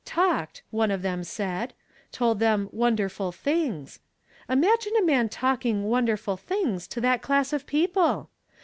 'Talked,' one of them said; told them Mnmderfnl thinos.' Imagine a man talking 'won derful thinprs' to that class of people!